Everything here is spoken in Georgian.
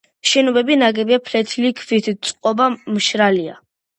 შენობები ნაგებია ფლეთილი ქვით, წყობა მშრალია.